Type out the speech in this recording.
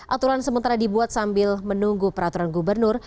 aturan sementara dibuat sambil menunggu peraturan gubernur